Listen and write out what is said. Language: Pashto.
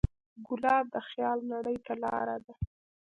ګلاب د خیال نړۍ ته لاره ده.